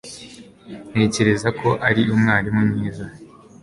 Ntekereza ko ari umwarimu mwiza